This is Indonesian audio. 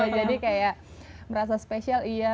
jadi kayak merasa special iya